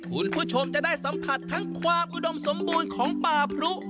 คุณผู้ชมจะได้สัมผัสทั้งความอุดมสมบูรณ์ของป่าพรุ